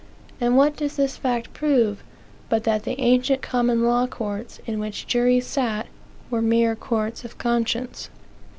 And what does this fact prove, but that the ancient common law courts, in which juries sat, were mere courts of conscience?